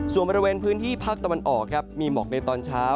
ส่วนบริเวณพื้นที่ภาคตะวันออกครับมีหมอกในตอนเช้า